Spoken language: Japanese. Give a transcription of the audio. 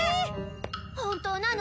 本当なの？